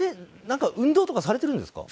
なんか運動とかされてるんですか？